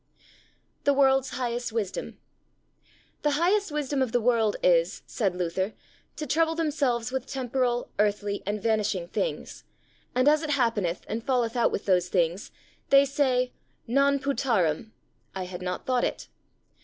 The World's highest Wisdom. The highest wisdom of the world is, said Luther, to trouble themselves with temporal, earthly, and vanishing things; and as it happeneth and falleth out with those things, they say, "Non putâram" (I had not thought it).